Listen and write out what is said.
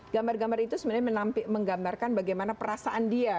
gambar gambar itu sebenarnya menggambarkan bagaimana perasaan dia